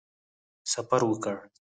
سفر وکړ.